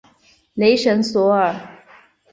雷神索尔。